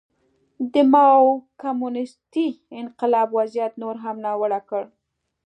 د ماوو کمونېستي انقلاب وضعیت نور هم ناوړه کړ.